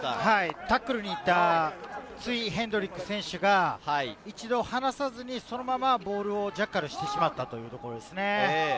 タックルに行ったツイ・ヘンドリック選手が一度離さず、そのままボールをジャッカルしてしまったということです。